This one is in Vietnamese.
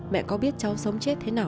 mẹ có biết cháu sống chết thế nào